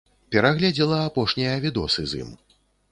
Перагледзела апошнія відосы з ім.